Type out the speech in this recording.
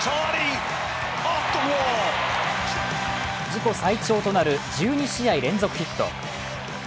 自己最長となる１２試合連続ヒット。